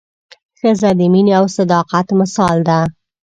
ښځه د مینې او صداقت مثال ده.